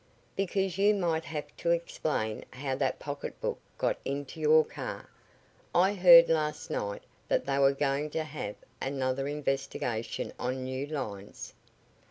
Because you might have to explain how that pocketbook got into your car. I heard last night that they were going to have another investigation on new lines."